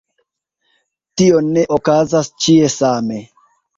Tio ne okazas ĉie same.